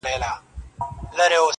هم ګونګی سو هم یې مځکه نه لیدله.!